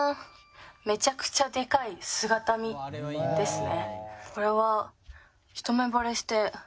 めちゃくちゃでかい姿見ですね。